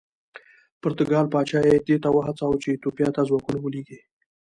پرتګال پاچا یې دې ته وهڅاوه چې ایتوپیا ته ځواکونه ولېږي.